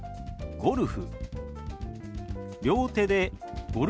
「ゴルフ」。